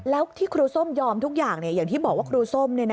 แล้วที่ครูส้มยอมทุกอย่างอย่างที่บอกว่าครูส้ม